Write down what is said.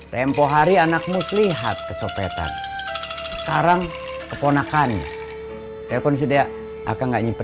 tempo hari anak muslihat kecopetan sekarang keponakan telepon si dea akan nggak nyimpen